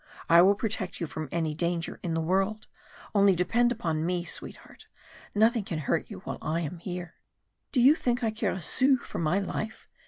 I will protect you from any danger in the world, only depend upon me, sweetheart. Nothing can hurt you while I am here." "Do you think I care a sou for my life?"